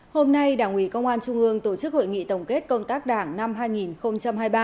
hôm nay đảng ủy công an trung ương tổ chức hội nghị tổng kết công tác đảng năm hai nghìn hai mươi ba